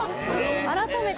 改めて。